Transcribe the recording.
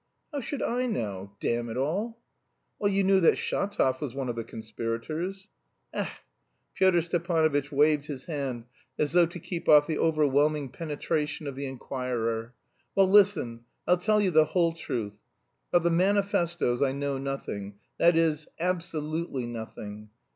"How should I know? damn it all." "Why, you knew that Shatov was one of the conspirators." "Ech!" Pyotr Stepanovitch waved his hand as though to keep off the overwhelming penetration of the inquirer. "Well, listen. I'll tell you the whole truth: of the manifestoes I know nothing that is, absolutely nothing.